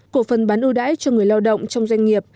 cổ phần bán ưu đãi cho người lao động trong doanh nghiệp